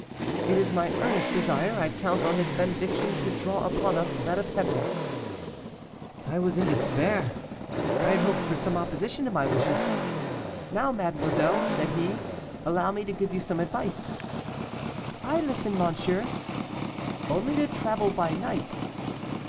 'It is my earnest desire; I count on his benediction to draw upon us that of heaven.' "I was in despair. I had hoped for some opposition to my wishes. 'Now, mademoiselle,' said he, 'allow me to give you some advice.' 'I listen, monsieur.' 'Only to travel by night.